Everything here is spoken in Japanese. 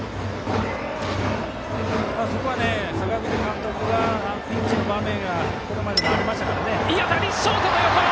そこは阪口監督はピンチの場面がこれまでもありましたから。